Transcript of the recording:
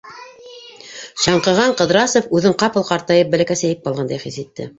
Шаңҡыған Ҡыҙрасов үҙен ҡапыл ҡартайып, бәләкәсәйеп ҡалғандай хис итте.